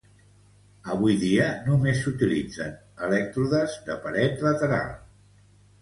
Avui dia només s'utilitzen elèctrodes de paret lateral.